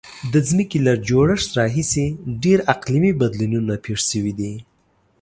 د ځمکې له جوړښت راهیسې ډیر اقلیمي بدلونونه پیښ شوي دي.